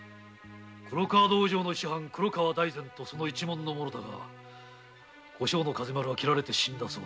黒川道場の師範・黒川大膳とその一門だが小姓の風丸は切られて死んだとか。